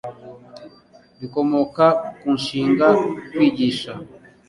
bikomoka ku nshinga kwigisha